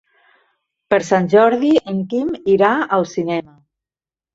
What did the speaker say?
Per Sant Jordi en Quim irà al cinema.